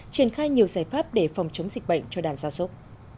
triển khai nhiều giải pháp để phòng chống dịch bệnh cho đàn xa xốp